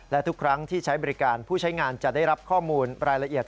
และทุกครั้งที่ใช้บริการผู้ใช้งานจะได้รับข้อมูลรายละเอียด